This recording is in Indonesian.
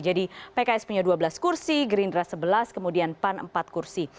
jadi pks punya dua belas kursi gerindra sebelas kemudian pan empat kursi